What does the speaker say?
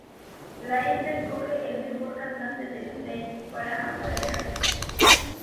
La hembra escoge el mejor cantante del lek para aparearse.